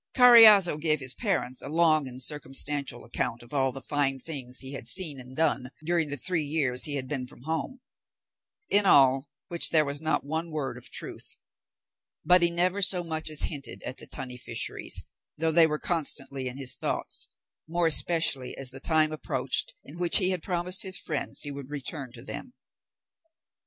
Carriazo gave his parents a long and circumstantial account of all the fine things he had seen and done during the three years he had been from home, in all which there was not one word of truth; but he never so much as hinted at the tunny fisheries, though they were constantly in his thoughts, more especially as the time approached in which he had promised his friends he would return to them.